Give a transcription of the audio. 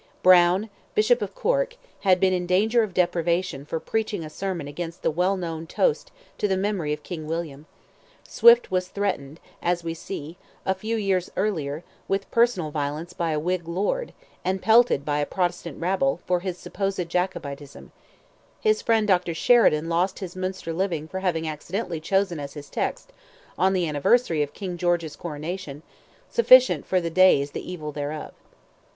Browne, Bishop of Cork, had been in danger of deprivation for preaching a sermon against the well known toast to the memory of King William; Swift was threatened, as we see, a few years earlier, with personal violence by a Whig lord, and pelted by a Protestant rabble, for his supposed Jacobitism; his friend, Dr. Sheridan, lost his Munster living for having accidentally chosen as his text, on the anniversary of King George's coronation, "sufficient for the day is the evil thereof."